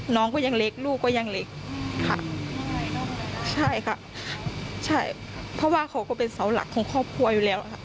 น้องก็ยังเล็กลูกก็ยังเล็กค่ะใช่ค่ะใช่เพราะว่าเขาก็เป็นเสาหลักของครอบครัวอยู่แล้วค่ะ